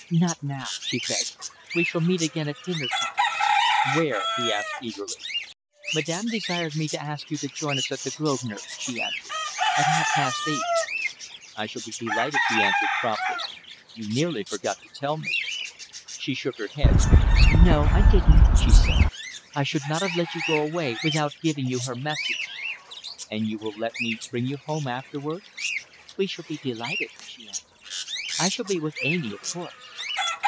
"Not now," she begged. "We shall meet again at dinner time." "Where?" he asked eagerly. "Madame desired me to ask you to join us at the Grosvenor," she answered, "at half past eight." "I shall be delighted," he answered, promptly. "You nearly forgot to tell me." She shook her head. "No! I didn't," she said. "I should not have let you go away without giving you her message." "And you will let me bring you home afterwards?" "We shall be delighted," she answered. "I shall be with Amy, of course."